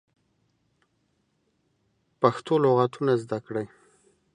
پښتو لغاتونه زده کړی